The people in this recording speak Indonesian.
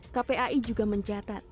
kpai juga mencatat